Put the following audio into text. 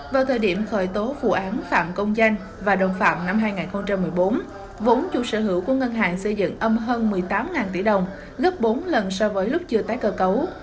vào thời điểm khởi tố vụ án phạm công danh và đồng phạm năm hai nghìn một mươi bốn vốn chủ sở hữu của ngân hàng xây dựng âm hơn một mươi tám tỷ đồng gấp bốn lần so với lúc chưa tái cơ cấu